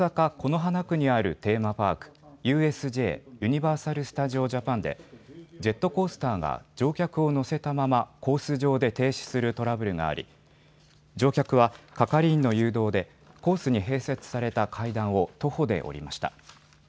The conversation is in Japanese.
此花区にあるテーマパーク、ＵＳＪ・ユニバーサル・スタジオ・ジャパンでジェットコースターが乗客を乗せたままコース上で停止するトラブルがあり乗客は係員の誘導でコースに併設された階段を徒歩で降りました。